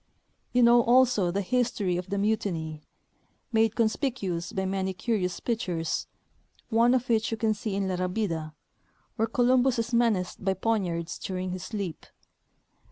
You know also the history of the mutiny, made conspicuous by many curious pic tures, one of which you can see in La Rabida, Avhere Columbus is menaced by poignards during his sleep.